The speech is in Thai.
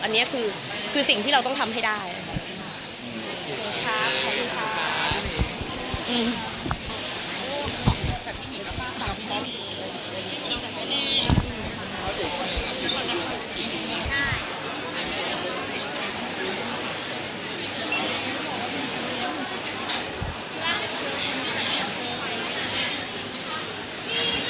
อันนี้คือสิ่งที่เราต้องทำให้ได้ค่ะ